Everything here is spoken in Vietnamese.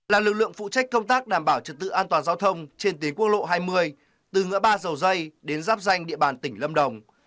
là lực lượng phụ trách công tác đảm bảo trật tự an toàn giao thông trên tuyến quốc lộ hai mươi từ ngỡ ba dầu dây đến giáp danh địa bàn tỉnh lâm đồng